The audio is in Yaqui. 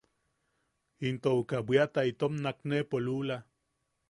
Into uka bwiata itom naknepo lula.